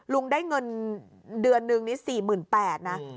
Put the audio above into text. ลุงได้เงินเดือนนึงนี่๔๘๐๐นะ